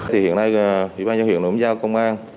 hiện nay huyện đồng giao công an